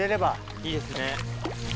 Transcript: いいですね。